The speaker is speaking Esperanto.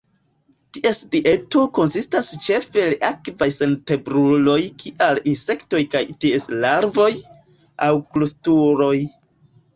Ties dieto konsistas ĉefe el akvaj senvertebruloj kiaj insektoj kaj ties larvoj, aŭ krustuloj.